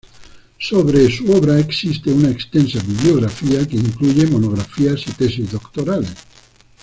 Sobre su obra existe una extensa bibliografía que incluye monografías y tesis doctorales.